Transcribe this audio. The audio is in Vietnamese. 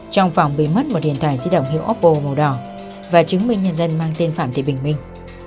trong phòng bị mất một điện thoại di động hiệu opple màu đỏ và chứng minh nhân dân mang tên phạm thị bình minh